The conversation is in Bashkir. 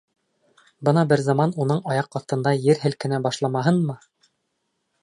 Бына бер заман уның аяҡ аҫтында ер һелкенә башламаһынмы!